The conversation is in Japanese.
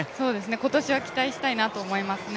今年は期待したいなと思いますね。